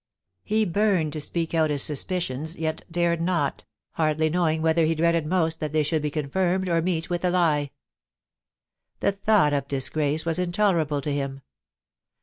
He burned to speak out his suspicions, yet dared not, tiaidly knowing whether he dreaded most that they should be confirmed or meet with a lie. The thought of disgrace was intolerable to him.